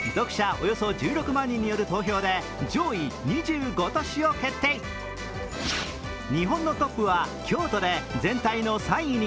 およそ１６万人による投票で、上位２５都市を決定、日本のトップは京都で、全体の３位に。